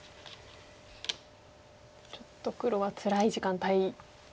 ちょっと黒はつらい時間帯。